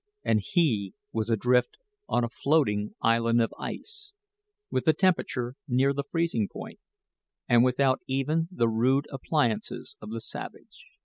And he was adrift on a floating island of ice, with the temperature near the freezing point, and without even the rude appliances of the savage.